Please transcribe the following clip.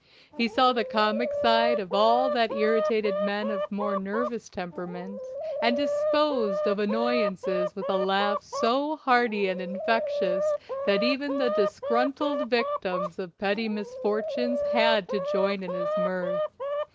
He saw the comic side of all that irritated men of more nervous temperament, and disposed of annoyances with a laugh so hearty and infectious that even the disgruntled victims of petty misfortunes had to join in his mirth.